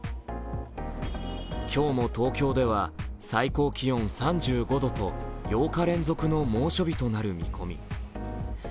今日も東京では最高気温３５度と８日連続の猛暑日となる見込み。